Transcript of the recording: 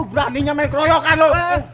beraninya main keroyokan lo